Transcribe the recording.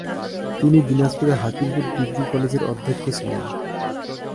তিনি দিনাজপুরের হাকিমপুর ডিগ্রি কলেজের অধ্যক্ষ ছিলেন।